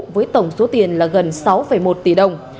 với tổng số tiền là gần sáu một tỷ đồng